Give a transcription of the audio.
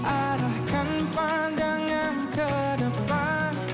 arahkan pandangan ke depan